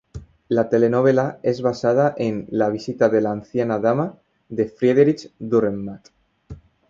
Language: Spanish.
La telenovela es basada en "La visita de la anciana dama" de Friedrich Dürrenmatt.